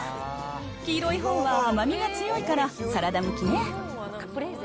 黄色いほうは甘みが強いからサラダ向きね。